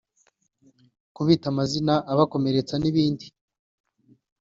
kubita amazina abakomeretsa n’ibindi”